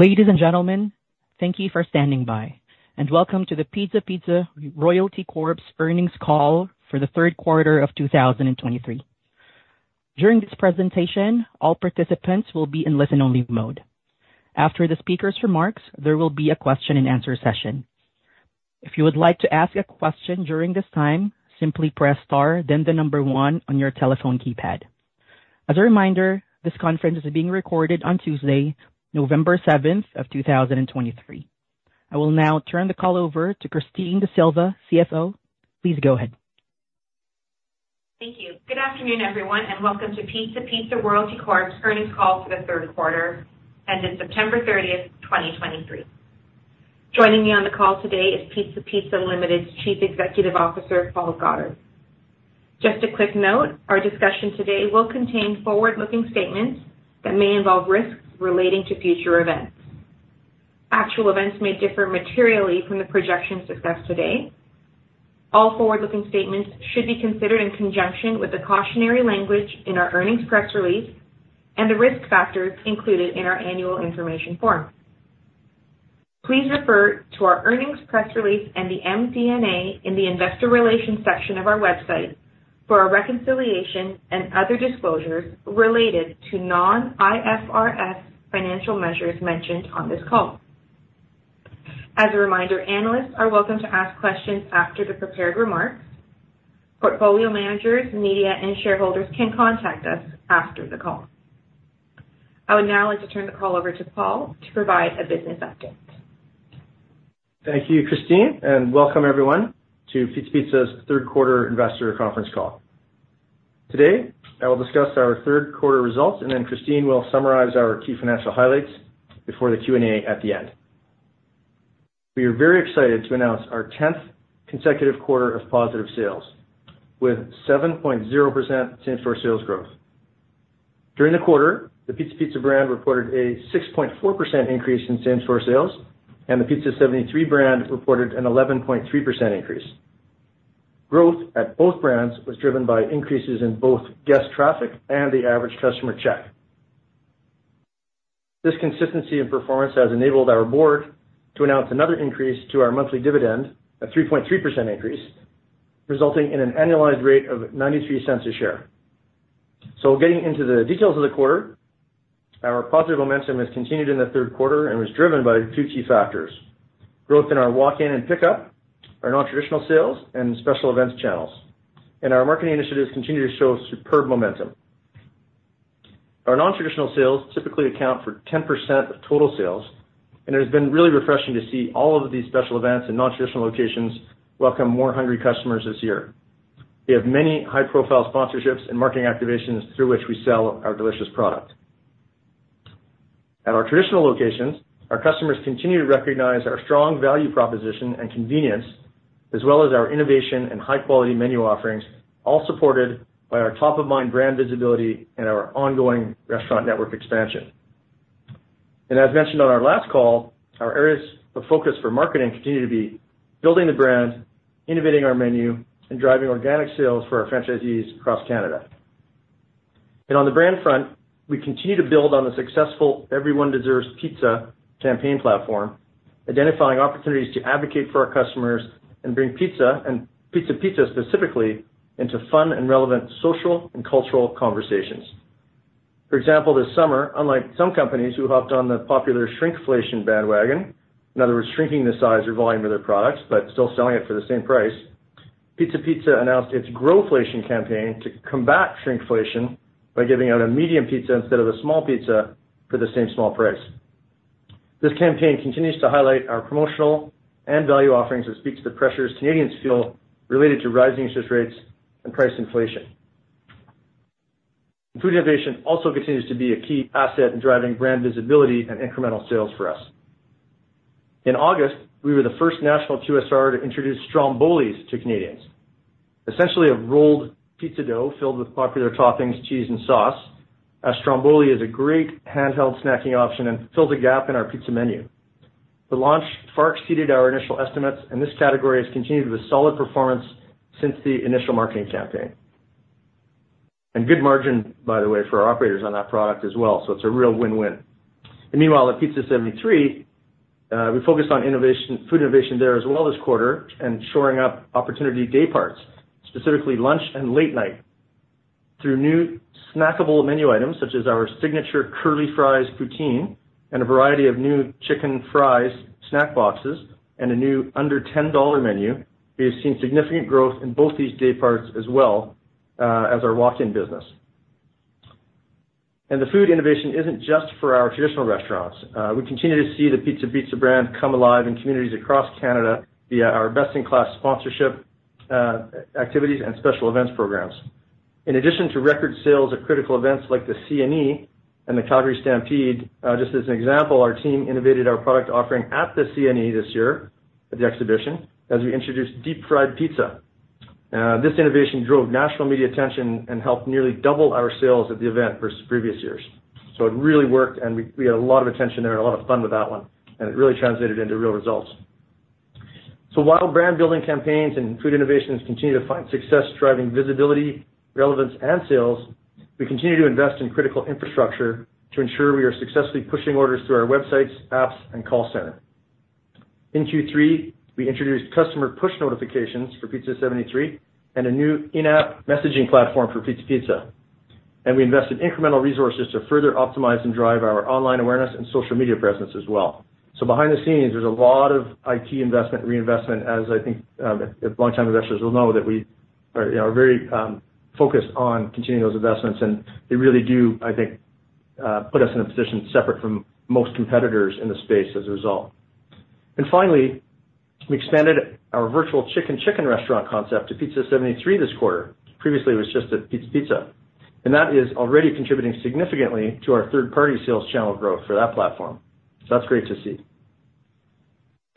Ladies and gentlemen, thank you for standing by, and welcome to the Pizza Pizza Royalty Corp.'s earnings call for the third quarter of 2023. During this presentation, all participants will be in listen-only mode. After the speaker's remarks, there will be a question-and-answer session. If you would like to ask a question during this time, simply press star, then the number 1 on your telephone keypad. As a reminder, this conference is being recorded on Tuesday, November 7, 2023. I will now turn the call over to Christine D'Sylva, CFO. Please go ahead. Thank you. Good afternoon, everyone, and welcome to Pizza Pizza Royalty Corp's earnings call for the third quarter, ended September 30th, 2023. Joining me on the call today is Pizza Pizza Limited's Chief Executive Officer, Paul Goddard. Just a quick note, our discussion today will contain forward-looking statements that may involve risks relating to future events. Actual events may differ materially from the projections discussed today. All forward-looking statements should be considered in conjunction with the cautionary language in our earnings press release and the risk factors included in our Annual Information Form. Please refer to our earnings press release and the MD&A in the investor relations section of our website for a reconciliation and other disclosures related to non-IFRS financial measures mentioned on this call. As a reminder, analysts are welcome to ask questions after the prepared remarks. Portfolio managers, media, and shareholders can contact us after the call. I would now like to turn the call over to Paul to provide a business update. Thank you, Christine, and welcome everyone to Pizza Pizza's third quarter investor conference call. Today, I will discuss our third quarter results, and then Christine will summarize our key financial highlights before the Q&A at the end. We are very excited to announce our 10th consecutive quarter of positive sales, with 7.0% same-store sales growth. During the quarter, the Pizza Pizza brand reported a 6.4% increase in same-store sales, and the Pizza 73 brand reported an 11.3% increase. Growth at both brands was driven by increases in both guest traffic and the average customer check. This consistency in performance has enabled our board to announce another increase to our monthly dividend, a 3.3% increase, resulting in an annualized rate of 0.93 a share. Getting into the details of the quarter, our positive momentum has continued in the third quarter and was driven by two key factors: growth in our walk-in and pickup, our nontraditional sales and special events channels. Our marketing initiatives continue to show superb momentum. Our nontraditional sales typically account for 10% of total sales, and it has been really refreshing to see all of these special events and nontraditional locations welcome more hungry customers this year. We have many high-profile sponsorships and marketing activations through which we sell our delicious product. At our traditional locations, our customers continue to recognize our strong value, proposition, and convenience, as well as our innovation and high-quality menu offerings, all supported by our top-of-mind brand visibility and our ongoing restaurant network expansion. As mentioned on our last call, our areas of focus for marketing continue to be building the brand, innovating our menu, and driving organic sales for our franchisees across Canada. On the brand front, we continue to build on the successful Everyone Deserves Pizza campaign platform, identifying opportunities to advocate for our customers and bring pizza, and Pizza Pizza specifically, into fun and relevant social and cultural conversations. For example, this summer, unlike some companies who hopped on the popular shrinkflation bandwagon, in other words, shrinking the size or volume of their products, but still selling it for the same price, Pizza Pizza announced its Growflation campaign to combat shrinkflation by giving out a medium pizza instead of a small pizza for the same small price. This campaign continues to highlight our promotional and value offerings that speaks to the pressures Canadians feel related to rising interest rates and price inflation. Food innovation also continues to be a key asset in driving brand visibility and incremental sales for us. In August, we were the first national QSR to introduce stromboli to Canadians. Essentially, a rolled pizza dough filled with popular toppings, cheese, and sauce. A stromboli is a great handheld snacking option and fills a gap in our pizza menu. The launch far exceeded our initial estimates, and this category has continued with solid performance since the initial marketing campaign. And good margin, by the way, for our operators on that product as well, so it's a real win-win. Meanwhile, at Pizza 73, we focused on innovation, food innovation there as well this quarter, and shoring up opportunity day parts, specifically lunch and late night, through new snackable menu items such as our signature curly fries poutine and a variety of new chicken fries snack boxes and a new under CAD 10 menu. We have seen significant growth in both these day parts, as well, as our walk-in business. The food innovation isn't just for our traditional restaurants. We continue to see the Pizza Pizza brand come alive in communities across Canada via our best-in-class sponsorship activities and special events programs. In addition to record sales at critical events like the CNE and the Calgary Stampede, just as an example, our team innovated our product offering at the CNE this year, at the exhibition, as we introduced deep-fried pizza. This innovation drove national media attention and helped nearly double our sales at the event versus previous years. So it really worked, and we had a lot of attention there and a lot of fun with that one, and it really translated into real results. So while brand building campaigns and food innovations continue to find success driving visibility, relevance, and sales, we continue to invest in critical infrastructure to ensure we are successfully pushing orders through our websites, apps, and call center. In Q3, we introduced customer push notifications for Pizza 73 and a new in-app messaging platform for Pizza Pizza, and we invested incremental resources to further optimize and drive our online awareness and social media presence as well. Behind the scenes, there's a lot of IT investment, reinvestment, as I think, longtime investors will know that we are, you know, are very, focused on continuing those investments, and they really do, I think, put us in a position separate from most competitors in the space as a result. Finally, we expanded our virtual Chicken Chicken restaurant concept to Pizza 73 this quarter. Previously, it was just at Pizza Pizza, and that is already contributing significantly to our third-party sales channel growth for that platform. That's great to see.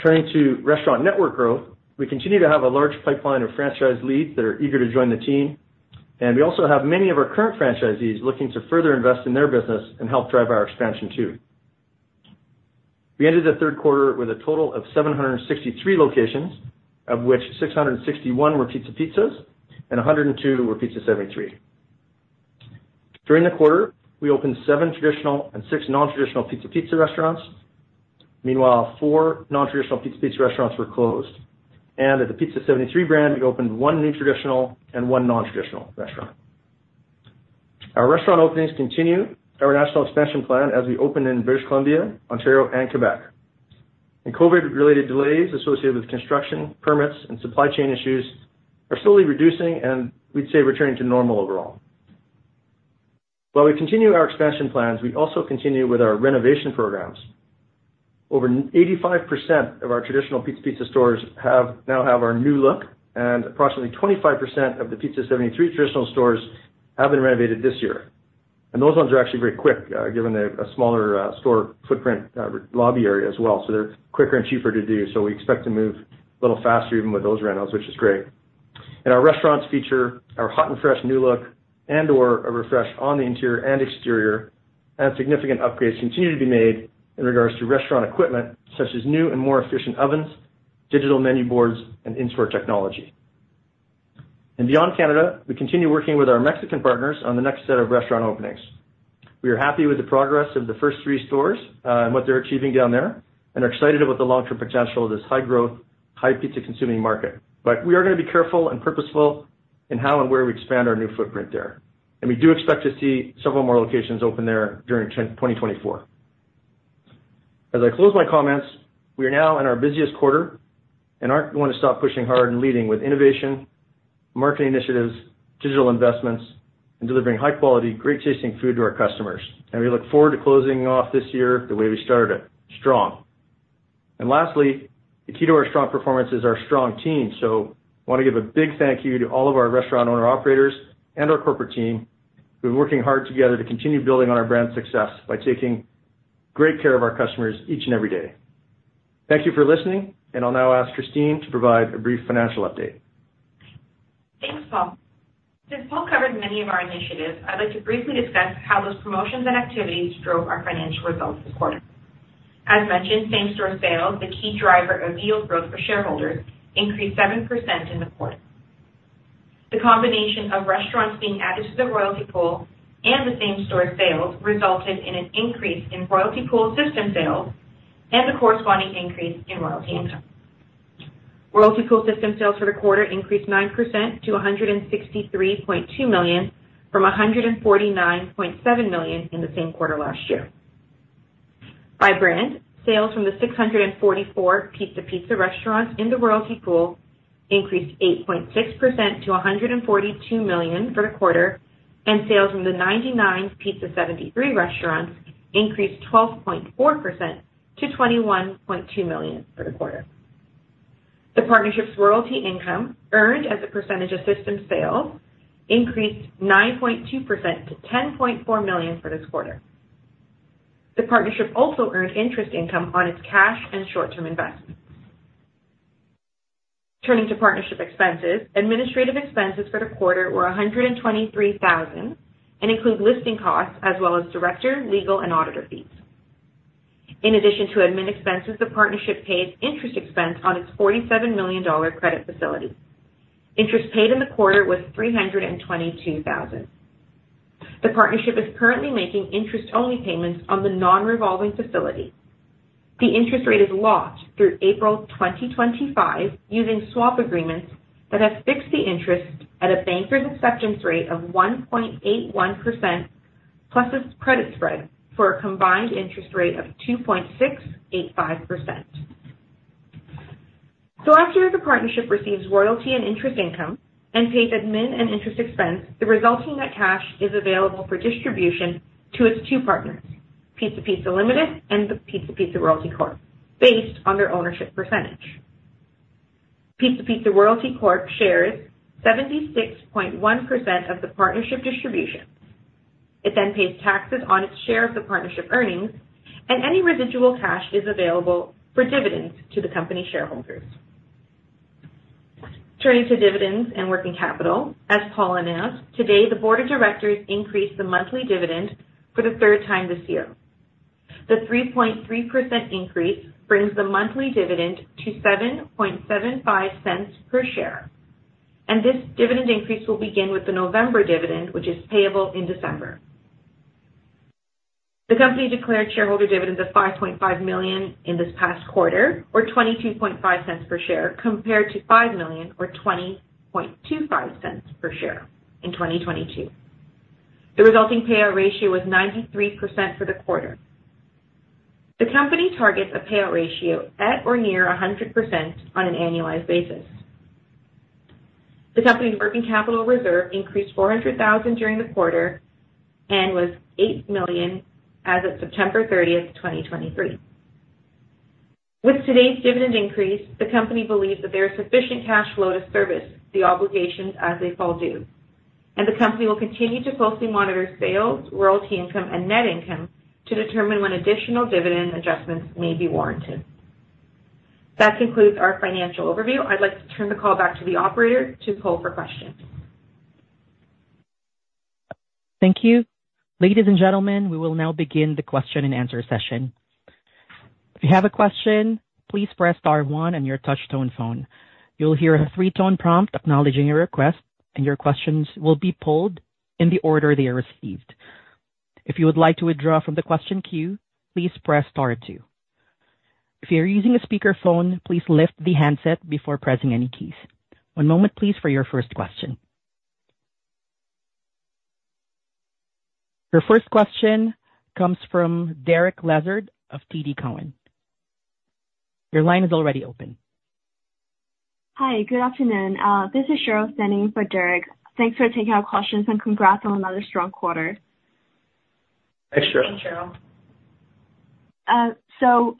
Turning to restaurant network growth, we continue to have a large pipeline of franchise leads that are eager to join the team, and we also have many of our current franchisees looking to further invest in their business and help drive our expansion too. We ended the third quarter with a total of 763 locations, of which 661 were Pizza Pizza and 102 were Pizza 73. During the quarter, we opened seven traditional and six non-traditional Pizza Pizza restaurants. Meanwhile, four non-traditional Pizza Pizza restaurants were closed, and at the Pizza 73 brand, we opened 1 new traditional and one non-traditional restaurant. Our restaurant openings continue our national expansion plan as we open in British Columbia, Ontario, and Quebec. COVID-related delays associated with construction permits and supply chain issues are slowly reducing, and we'd say returning to normal overall. While we continue our expansion plans, we also continue with our renovation programs. Over 85% of our traditional Pizza Pizza stores now have our new look, and approximately 25% of the Pizza 73 traditional stores have been renovated this year. Those ones are actually very quick, given a smaller store footprint, lobby area as well. They're quicker and cheaper to do. We expect to move a little faster even with those renos, which is great. Our restaurants feature our hot and fresh new look and/or a refresh on the interior and exterior, and significant upgrades continue to be made in regards to restaurant equipment, such as new and more efficient ovens, digital menu boards, and in-store technology. Beyond Canada, we continue working with our Mexican partners on the next set of restaurant openings. We are happy with the progress of the first three stores, and what they're achieving down there, and are excited about the long-term potential of this high-growth, high pizza-consuming market. But we are gonna be careful and purposeful in how and where we expand our new footprint there, and we do expect to see several more locations open there during 2024. As I close my comments, we are now in our busiest quarter and aren't going to stop pushing hard and leading with innovation, marketing initiatives, digital investments, and delivering high quality, great-tasting food to our customers. And we look forward to closing off this year the way we started it, strong. And lastly, the key to our strong performance is our strong team, so I want to give a big thank you to all of our restaurant owner-operators and our corporate team, who are working hard together to continue building on our brand's success by taking great care of our customers each and every day. Thank you for listening, and I'll now ask Christine to provide a brief financial update. Thanks, Paul. Since Paul covered many of our initiatives, I'd like to briefly discuss how those promotions and activities drove our financial results this quarter. As mentioned, same-store sales, the key driver of yield growth for shareholders, increased 7% in the quarter. The combination of restaurants being added to the royalty pool and the same-store sales resulted in an increase in royalty pool system sales and the corresponding increase in royalty income. Royalty pool system sales for the quarter increased 9% to 163.2 million, from 149.7 million in the same quarter last year. By brand, sales from the 644 Pizza Pizza restaurants in the Royalty Pool increased 8.6% to 142 million for the quarter, and sales from the 99 Pizza 73 restaurants increased 12.4% to 21.2 million for the quarter. The partnership's royalty income, earned as a percentage of system sales, increased 9.2% to 10.4 million for this quarter. The partnership also earned interest income on its cash and short-term investments. Turning to partnership expenses, administrative expenses for the quarter were 123,000, and include listing costs as well as director, legal, and auditor fees. In addition to admin expenses, the partnership paid interest expense on its 47 million dollar credit facility. Interest paid in the quarter was 322,000. The partnership is currently making interest-only payments on the non-revolving facility. The interest rate is locked through April 2025, using swap agreements that have fixed the interest at a banker's acceptance rate of 1.81% plus its credit spread, for a combined interest rate of 2.685%. So after the partnership receives royalty and interest income and pays admin and interest expense, the resulting net cash is available for distribution to its two partners, Pizza Pizza Limited and the Pizza Pizza Royalty Corp, based on their ownership percentage. Pizza Pizza Royalty Corp shares 76.1% of the partnership distribution. It then pays taxes on its share of the partnership earnings, and any residual cash is available for dividends to the company shareholders. Turning to dividends and working capital, as Paul announced, today, the board of directors increased the monthly dividend for the third time this year. The 3.3% increase brings the monthly dividend to 0.0775 per share, and this dividend increase will begin with the November dividend, which is payable in December. The company declared shareholder dividends of 5.5 million in this past quarter, or 0.225 per share, compared to 5 million, or 0.2025 per share in 2022. The resulting payout ratio was 93% for the quarter. The company targets a payout ratio at or near 100% on an annualized basis. The company's working capital reserve increased 400,000 during the quarter and was 8 million as of September 30th, 2023. With today's dividend increase, the company believes that there is sufficient cash flow to service the obligations as they fall due, and the company will continue to closely monitor sales, royalty income, and net income to determine when additional dividend adjustments may be warranted. That concludes our financial overview. I'd like to turn the call back to the operator to poll for questions. Thank you. Ladies and gentlemen, we will now begin the question-and-answer session. If you have a question, please press star one on your touchtone phone. You'll hear a three-tone prompt acknowledging your request, and your questions will be polled in the order they are received. If you would like to withdraw from the question queue, please press star two. If you're using a speakerphone, please lift the handset before pressing any keys. One moment, please, for your first question. Your first question comes from Derek Lessard of TD Cowen. Your line is already open. Hi, good afternoon. This is Cheryl standing in for Derek. Thanks for taking our questions, and congrats on another strong quarter. Thanks, Cheryl. Thanks, Cheryl. So,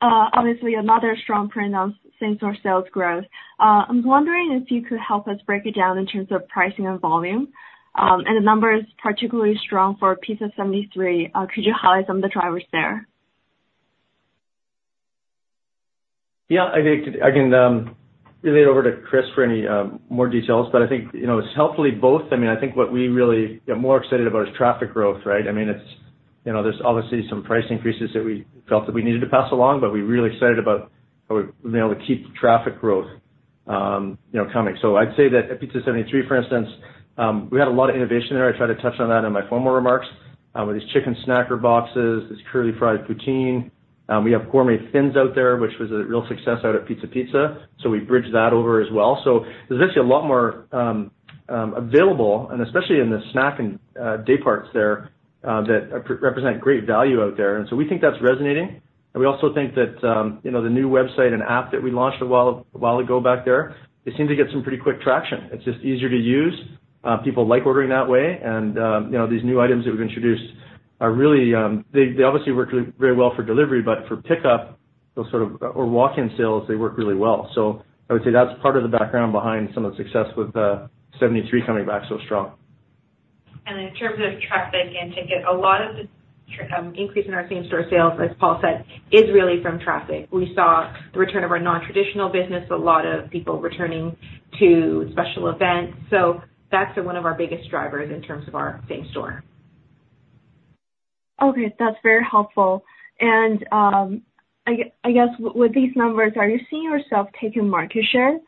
obviously, another strong print on same-store sales growth. I'm wondering if you could help us break it down in terms of pricing and volume. The number is particularly strong for Pizza 73. Could you highlight some of the drivers there? Yeah, I think I can relate it over to Chris for any more details, but I think, you know, it's hopefully both. I mean, I think what we really are more excited about is traffic growth, right? I mean, it's, you know, there's obviously some price increases that we felt that we needed to pass along, but we're really excited about how we've been able to keep traffic growth, you know, coming. So I'd say that at Pizza 73, for instance, we had a lot of innovation there. I tried to touch on that in my formal remarks, with these chicken snacker boxes, this curly fried poutine. We have Gourmet Thins out there, which was a real success out at Pizza Pizza, so we bridged that over as well. So there's actually a lot more available, and especially in the snack and day parts there that represent great value out there. And so we think that's resonating. And we also think that, you know, the new website and app that we launched a while, a while ago back there, they seem to get some pretty quick traction. It's just easier to use. People like ordering that way, and, you know, these new items that we've introduced are really, they, they obviously work very well for delivery, but for pickup, those sort of, or walk-in sales, they work really well. So I would say that's part of the background behind some of the success with Pizza 73 coming back so strong. In terms of traffic and ticket, a lot of the increase in our same-store sales, as Paul said, is really from traffic. We saw the return of our non-traditional business, a lot of people returning to special events, so that's one of our biggest drivers in terms of our same-store. Okay, that's very helpful. And, I guess, with these numbers, are you seeing yourself taking market share?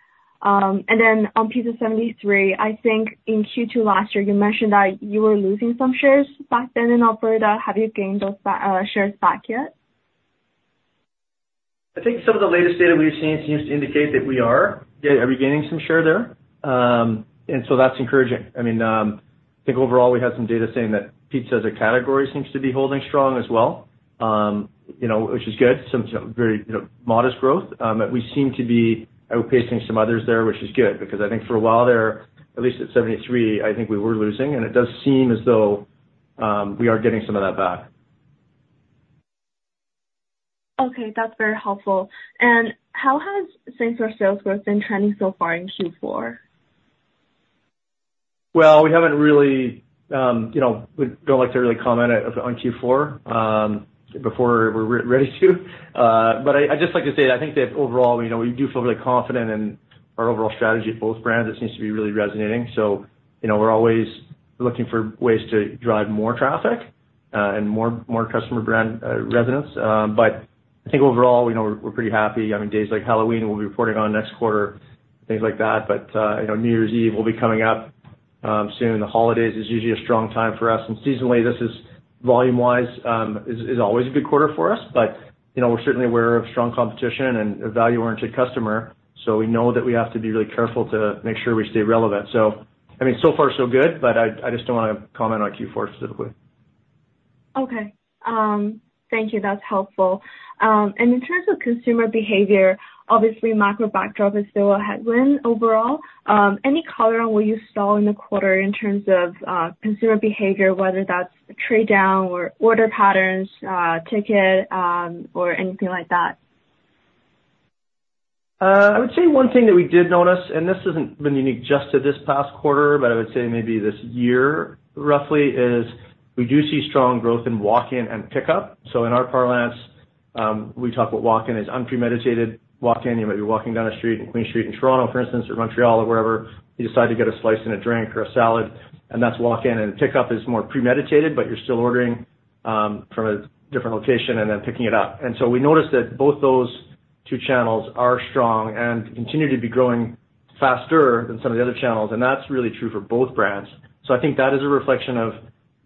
And then on Pizza 73, I think in Q2 last year, you mentioned that you were losing some shares back then in Alberta. Have you gained those shares back yet? I think some of the latest data we've seen seems to indicate that we are, yeah, regaining some share there. And so that's encouraging. I mean, I think overall we have some data saying that pizza as a category seems to be holding strong as well, you know, which is good. Some very, you know, modest growth, but we seem to be outpacing some others there, which is good, because I think for a while there, at least at 73, I think we were losing, and it does seem as though, we are getting some of that back. Okay, that's very helpful. How has same-store sales growth been trending so far in Q4? Well, we haven't really, you know, we don't like to really comment on, on Q4, before we're ready to. But I'd just like to say that I think that overall, you know, we do feel really confident in our overall strategy for both brands. It seems to be really resonating. So, you know, we're always looking for ways to drive more traffic, and more, more customer brand, resonance. But I think overall, you know, we're, we're pretty happy. I mean, days like Halloween, we'll be reporting on next quarter, things like that. But, you know, New Year's Eve will be coming up, soon. The holidays is usually a strong time for us, and seasonally, this is volume-wise, is, is always a good quarter for us. But, you know, we're certainly aware of strong competition and a value-oriented customer, so we know that we have to be really careful to make sure we stay relevant. So, I mean, so far, so good, but I, I just don't want to comment on Q4 specifically. Okay. Thank you. That's helpful. And in terms of consumer behavior, obviously, macro backdrop is still a headwind overall. Any color on what you saw in the quarter in terms of consumer behavior, whether that's trade down or order patterns, ticket, or anything like that? I would say one thing that we did notice, and this hasn't been unique just to this past quarter, but I would say maybe this year, roughly, is we do see strong growth in walk-in and pickup. So in our parlance, we talk about walk-in as unpremeditated walk-in. You might be walking down a street, in Queen Street in Toronto, for instance, or Montreal or wherever, you decide to get a slice and a drink or a salad, and that's walk-in. And pick up is more premeditated, but you're still ordering from a different location and then picking it up. And so we noticed that both those two channels are strong and continue to be growing faster than some of the other channels, and that's really true for both brands. So I think that is a reflection of,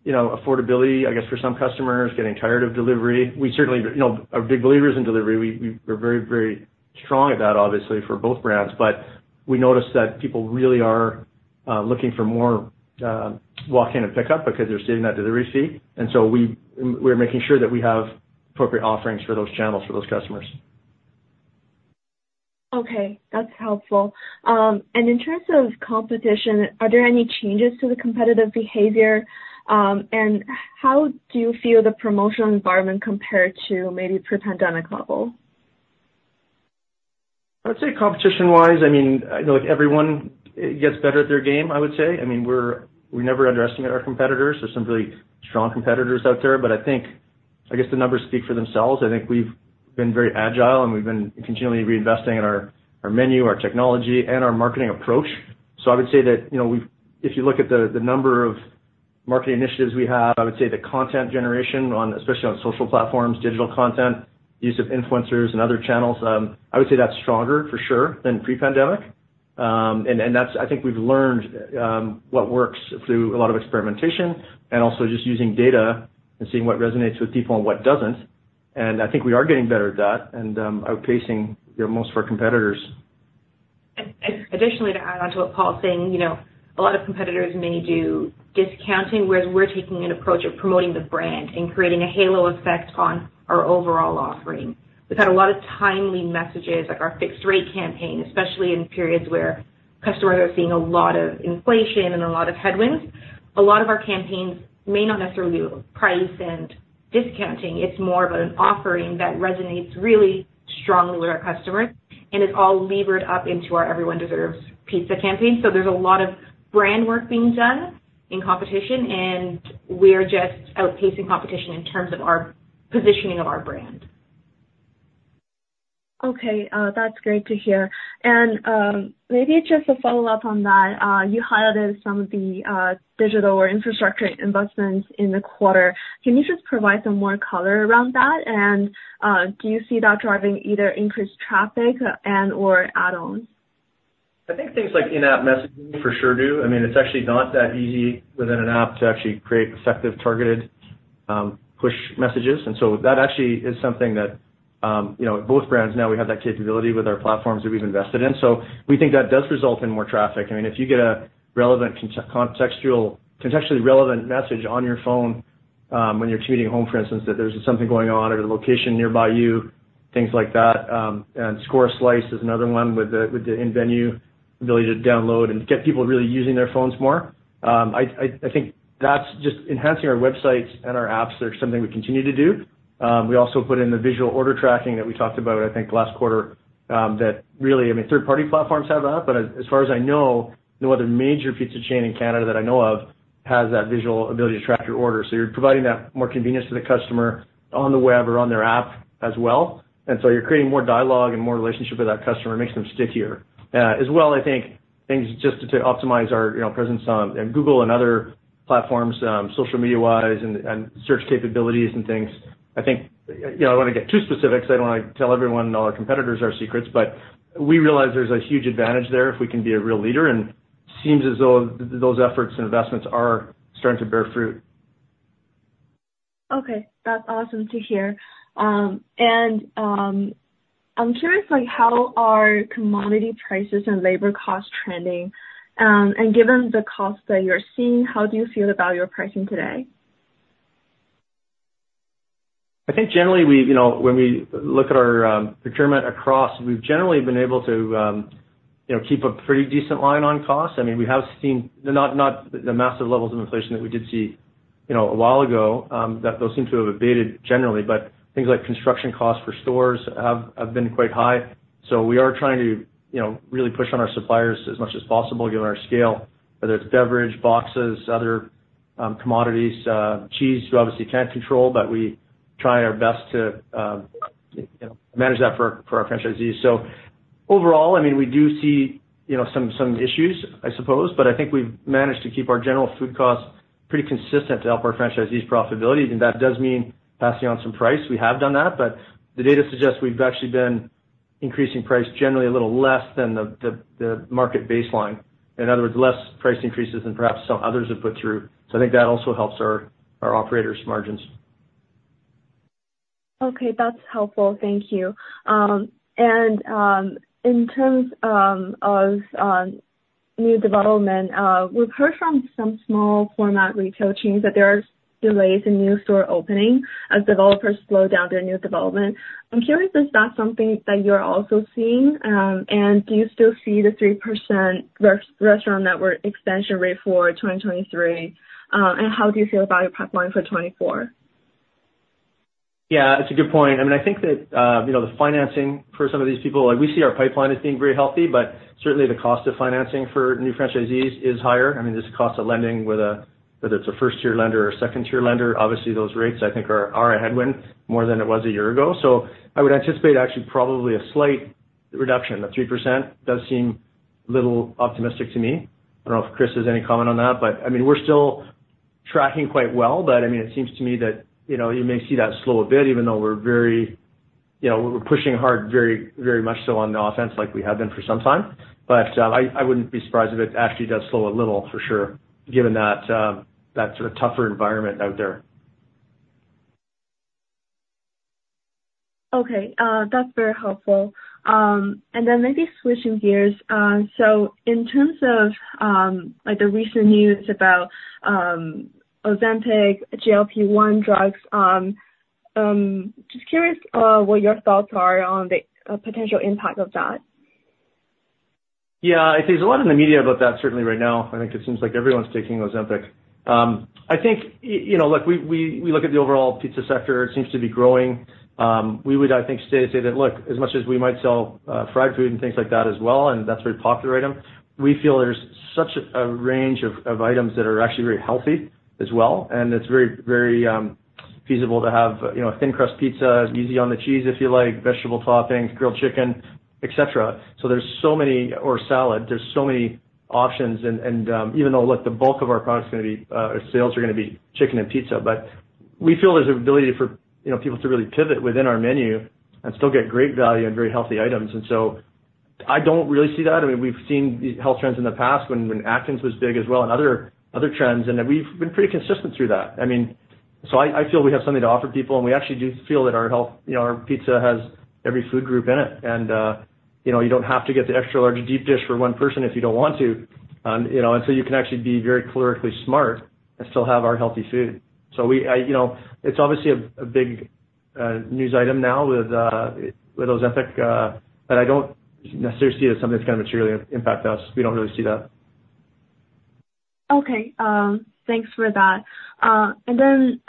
you know, affordability, I guess, for some customers, getting tired of delivery. We certainly, you know, are big believers in delivery. We're very, very strong at that, obviously, for both brands. But we noticed that people really are looking for more walk-in and pickup because they're saving that delivery fee. And so we're making sure that we have appropriate offerings for those channels, for those customers. Okay, that's helpful. And in terms of competition, are there any changes to the competitive behavior? And how do you feel the promotional environment compared to maybe pre-pandemic level? I'd say competition-wise, I mean, I know everyone gets better at their game, I would say. I mean, we never underestimate our competitors. There are some really strong competitors out there, but I think, I guess, the numbers speak for themselves. I think we've been very agile, and we've been continually reinvesting in our menu, our technology, and our marketing approach. So I would say that, you know, if you look at the number of marketing initiatives we have, I would say the content generation on, especially on social platforms, digital content, use of influencers and other channels, I would say that's stronger for sure than pre-pandemic. And that's... I think we've learned what works through a lot of experimentation and also just using data and seeing what resonates with people and what doesn't. I think we are getting better at that and outpacing, you know, most of our competitors. And additionally, to add on to what Paul's saying, you know, a lot of competitors may do discounting, whereas we're taking an approach of promoting the brand and creating a halo effect on our overall offering. We've had a lot of timely messages, like our Fixed-Rate campaign, especially in periods where customers are seeing a lot of inflation and a lot of headwinds. A lot of our campaigns may not necessarily be price and discounting. It's more of an offering that resonates really strongly with our customers, and it's all levered up into our Everyone Deserves Pizza campaign. So there's a lot of brand work being done in competition, and we are just outpacing competition in terms of our positioning of our brand. Okay, that's great to hear. And, maybe just a follow-up on that. You highlighted some of the, digital or infrastructure investments in the quarter. Can you just provide some more color around that? And, do you see that driving either increased traffic and/or add-ons? I think things like in-app messaging for sure do. I mean, it's actually not that easy within an app to actually create effective, targeted, push messages. And so that actually is something that, you know, both brands now, we have that capability with our platforms that we've invested in. So we think that does result in more traffic. I mean, if you get a relevant, contextually relevant message on your phone, when you're commuting home, for instance, that there's something going on at a location nearby you, things like that, and Score! Slice is another one with the in-venue ability to download and get people really using their phones more. I think that's just enhancing our websites and our apps are something we continue to do. We also put in the visual order tracking that we talked about, I think, last quarter, that really, I mean, third-party platforms have that, but as far as I know, no other major pizza chain in Canada that I know of has that visual ability to track your order. So you're providing that more convenience to the customer on the web or on their app as well. And so you're creating more dialogue and more relationship with that customer. It makes them stickier. As well, I think, things just to optimize our, you know, presence on Google and other platforms, social media-wise and search capabilities and things. I think, you know, I don't want to get too specific because I don't want to tell everyone, all our competitors, our secrets, but we realize there's a huge advantage there if we can be a real leader, and it seems as though those efforts and investments are starting to bear fruit. Okay, that's awesome to hear. I'm curious, like, how are commodity prices and labor costs trending? Given the costs that you're seeing, how do you feel about your pricing today? I think generally we, you know, when we look at our, procurement across, we've generally been able to, you know, keep a pretty decent line on cost. I mean, we have seen, not the massive levels of inflation that we did see, you know, a while ago, that those seem to have abated generally. But things like construction costs for stores have been quite high, so we are trying to, you know, really push on our suppliers as much as possible, given our scale, whether it's beverage, boxes, other, commodities, cheese, we obviously can't control, but we try our best to, you know, manage that for our franchisees. So overall, I mean, we do see, you know, some issues, I suppose, but I think we've managed to keep our general food costs pretty consistent to help our franchisees' profitability, and that does mean passing on some price. We have done that, but the data suggests we've actually been increasing price generally a little less than the market baseline. In other words, less price increases than perhaps some others have put through. So I think that also helps our operators' margins. Okay, that's helpful. Thank you. And in terms of new development, we've heard from some small format retail chains that there are delays in new store opening as developers slow down their new development. I'm curious, is that something that you're also seeing? And do you still see the 3% restaurant network expansion rate for 2023? And how do you feel about your pipeline for 2024? Yeah, it's a good point. I mean, I think that, you know, the financing for some of these people, like, we see our pipeline as being very healthy, but certainly, the cost of financing for new franchisees is higher. I mean, just the cost of lending, whether it's a first-tier lender or a second-tier lender, obviously, those rates, I think, are a headwind more than it was a year ago. So I would anticipate actually probably a slight reduction. The 3% does seem little optimistic to me. I don't know if Chris has any comment on that, but, I mean, we're still tracking quite well. But, I mean, it seems to me that, you know, you may see that slow a bit, even though we're very, you know, we're pushing hard, very, very much so on the offense like we have been for some time. But I wouldn't be surprised if it actually does slow a little for sure, given that that sort of tougher environment out there. Okay, that's very helpful. And then maybe switching gears. So in terms of, like, the recent news about Ozempic, GLP-1 drugs, just curious, what your thoughts are on the potential impact of that? Yeah, I think there's a lot in the media about that certainly right now. I think it seems like everyone's taking Ozempic. I think, you know, look, we look at the overall pizza sector. It seems to be growing. We would, I think, say that, look, as much as we might sell fried food and things like that as well, and that's a very popular item, we feel there's such a range of items that are actually very healthy as well, and it's very, very feasible to have, you know, thin crust pizza, easy on the cheese if you like, vegetable toppings, grilled chicken, et cetera. So there's so many... Or salad. There's so many options, and even though, look, the bulk of our products are gonna be our sales are gonna be chicken and pizza, but we feel there's an ability for, you know, people to really pivot within our menu and still get great value and very healthy items. And so I don't really see that. I mean, we've seen health trends in the past when Atkins was big as well and other trends, and we've been pretty consistent through that. I mean, so I feel we have something to offer people, and we actually do feel that our health, you know, our pizza has every food group in it. And you know, you don't have to get the extra-large deep dish for one person if you don't want to. You know, and so you can actually be very calorically smart and still have our healthy food. So, you know, it's obviously a big news item now with Ozempic, but I don't necessarily see that something that's gonna materially impact us. We don't really see that. Okay, thanks for that. And then,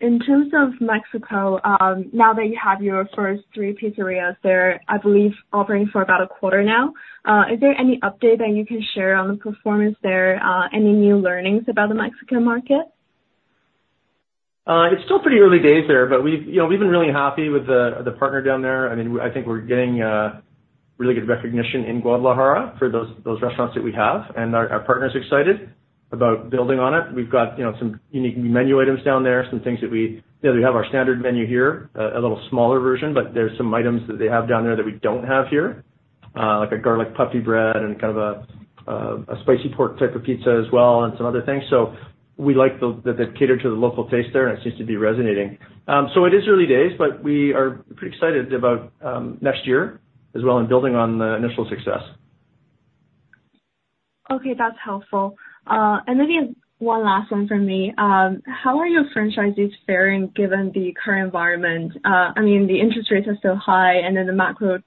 in terms of Mexico, now that you have your first three pizzerias there, I believe operating for about a quarter now, is there any update that you can share on the performance there? Any new learnings about the Mexican market? It's still pretty early days there, but we've, you know, we've been really happy with the partner down there. I mean, I think we're getting really good recognition in Guadalajara for those restaurants that we have, and our partner's excited about building on it. We've got, you know, some unique menu items down there, some things that we... You know, we have our standard menu here, a little smaller version, but there's some items that they have down there that we don't have here, like a garlic puffy bread and kind of a spicy pork type of pizza as well and some other things. So we like the fact that they cater to the local taste there, and it seems to be resonating. So it is early days, but we are pretty excited about next year, as well as building on the initial success. Okay, that's helpful. And maybe one last one from me. How are your franchisees faring given the current environment? I mean, the interest rates are so high, and then the macro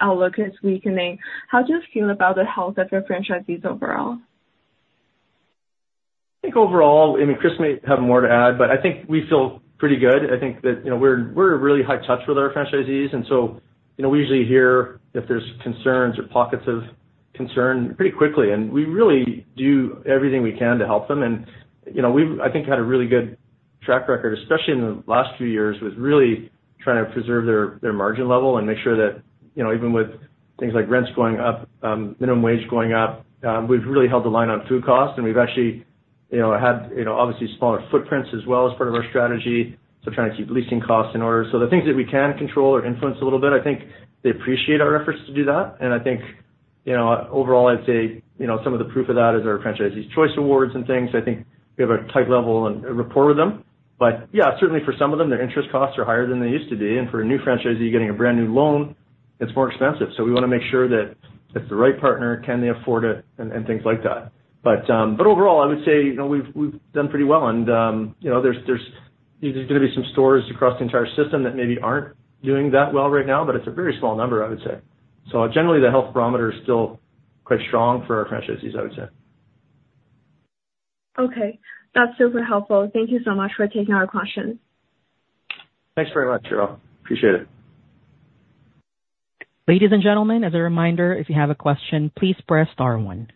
outlook is weakening. How do you feel about the health of your franchisees overall? I think overall, I mean, Chris may have more to add, but I think we feel pretty good. I think that, you know, we're, we're really in high touch with our franchisees, and so, you know, we usually hear if there's concerns or pockets of concern pretty quickly, and we really do everything we can to help them. And, you know, we've, I think, had a really good track record, especially in the last few years, with really trying to preserve their, their margin level and make sure that, you know, even with things like rents going up, minimum wage going up, we've really held the line on food costs, and we've actually, you know, had, you know, obviously smaller footprints as well as part of our strategy, so trying to keep leasing costs in order. So the things that we can control or influence a little bit, I think they appreciate our efforts to do that. And I think, you know, overall, I'd say, you know, some of the proof of that is our franchisees' choice awards and things. I think we have a tight level and rapport with them. But yeah, certainly for some of them, their interest costs are higher than they used to be, and for a new franchisee getting a brand-new loan, it's more expensive. So we wanna make sure that it's the right partner, can they afford it, and things like that. But, but overall, I would say, you know, we've done pretty well, and, you know, there's gonna be some stores across the entire system that maybe aren't doing that well right now, but it's a very small number, I would say. Generally, the health barometer is still quite strong for our franchisees, I would say. Okay, that's super helpful. Thank you so much for taking our questions. Thanks very much, Cheryl. Appreciate it. Ladies and gentlemen, as a reminder, if you have a question, please press star one.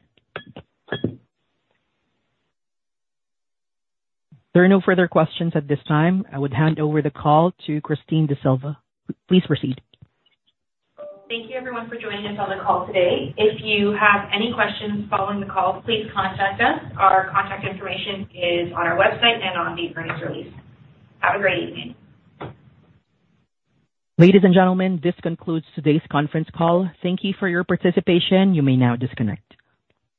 There are no further questions at this time. I would hand over the call to Christine D'Sylva. Please proceed. Thank you, everyone, for joining us on the call today. If you have any questions following the call, please contact us. Our contact information is on our website and on the earnings release. Have a great evening. Ladies and gentlemen, this concludes today's conference call. Thank you for your participation. You may now disconnect.